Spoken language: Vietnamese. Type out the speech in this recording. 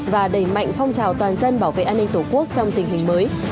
và đẩy mạnh phong trào toàn dân bảo vệ an ninh tổ quốc trong tình hình mới